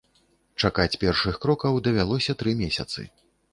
Чакаць першых крокаў давялося тры месяцы.